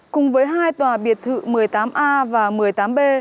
cùng với hai tòa biệt thự một mươi tám a và một mươi tám b